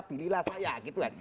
pilihlah saya gitu kan